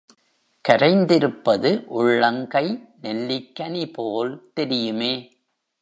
கரைந்திருப்பது உள்ளங்கை நெல்லிக்கனி போல் தெரியுமே!